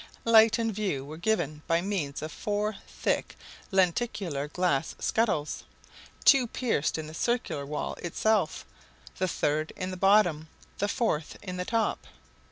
Light and view were given by means of four thick lenticular glass scuttles, two pierced in the circular wall itself, the third in the bottom, the fourth in the top.